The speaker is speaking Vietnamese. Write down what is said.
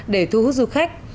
để thu hút du khách